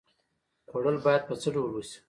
خوړل باید په څه ډول وشي؟